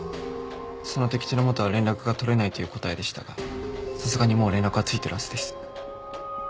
その時寺本は連絡が取れないという答えでしたがさすがにもう連絡はついてるはずです。